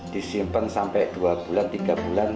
disimpan sampai dua bulan tiga bulan